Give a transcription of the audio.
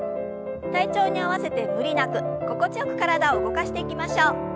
体調に合わせて無理なく心地よく体を動かしていきましょう。